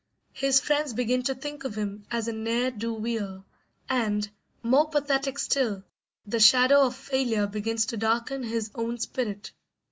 His friends begin to think of him as a ne'er do weel; and, more pathetic still, the shadow of failure begins to darken his own spirit.